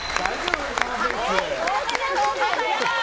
おめでとうございます！